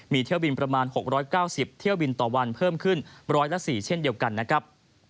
มีเที่ยวบินประมาณ๖๙๐เที่ยวบินต่อวันเพิ่มขึ้น๑๐๔เช่นเดียวกันนะครับ